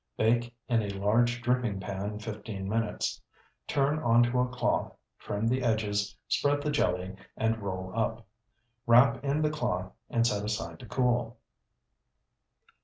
Bake in a large dripping pan fifteen minutes. Turn onto a cloth, trim the edges, spread the jelly, and roll up. Wrap in the cloth and set aside to cool.